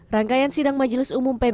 rangkaian sidang majelis umum pbb